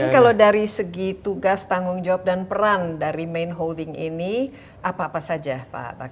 kalau dari segi tugas tanggung jawab dan peran dari main holding ini apa apa saja pak